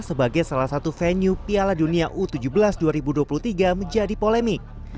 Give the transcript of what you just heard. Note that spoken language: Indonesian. sebagai salah satu venue piala dunia u tujuh belas dua ribu dua puluh tiga menjadi polemik